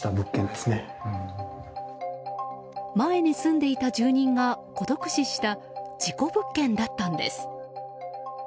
前に住んでいた住人が孤独死した事故物件だったんです。